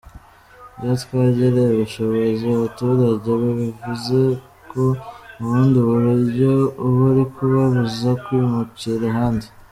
Iyo twongereye ubushobozi abaturage, bivuze ko mu bundi buryo uba uri kubabuza kwimukira ahandi.